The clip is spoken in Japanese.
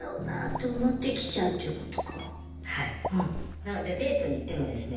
なのでデートに行ってもですね